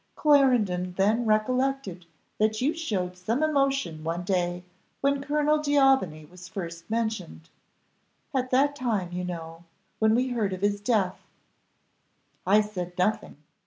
Clarendon then recollected that you showed some emotion one day when Colonel D'Aubigny was first mentioned at that time, you know, when we heard of his death. I said nothing.